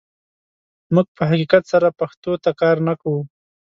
موږ په حقیقت سره پښتو ته کار نه کوو.